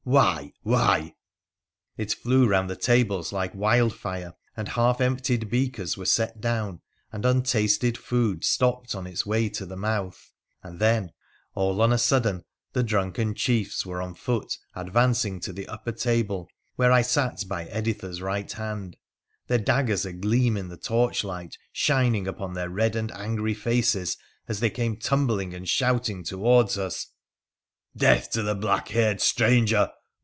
Why ? Why ?' It flew round the tables like wile fire, and half emptied beakers were set down, and untaste food stopped on its way to the mouth, and then— all on sudden, the drunken chiefs were on foot advancing to th upper table, where I sat by Editha's right hand, their dagger agleam in the torchlight shining upon their red and angr faces as they came tumbling and shouting towards us, ' Deatl P11RA THE PHCENICIAtf 83 to the black haired stranger